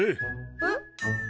えっ？